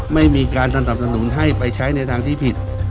ไม่มีการสนับสนุนให้ไปใช้ในทางที่ผิด